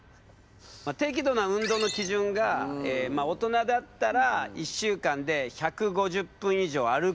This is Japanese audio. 適度な運動の基準が大人だったら１週間で１５０分以上歩くか。